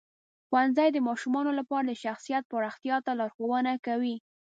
ښوونځی د ماشومانو لپاره د شخصیت پراختیا ته لارښوونه کوي.